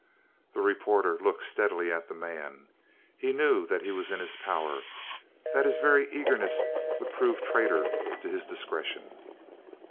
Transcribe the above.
The reporter looked steadily at the man. He knew that he was in his power, that his very eagerness would prove traitor to his discretion.